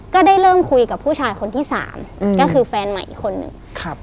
ก็ได้เริ่มคุยกับผู้ชายคนที่สามอืมก็คือแฟนใหม่อีกคนนึงครับ